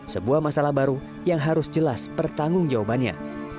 sebuah masalah baru yang harus jelas pertanggung jawabannya